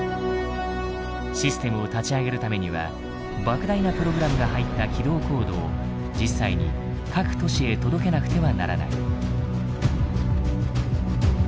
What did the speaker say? システムを立ち上げるためには莫大なプログラムが入った起動コードを実際に各都市へ届けなくてはならない。